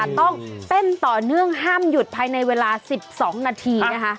ต้องเต้นต่อเนื่องห้ามหยุดภายในเวลา๑๒นาทีนะคะ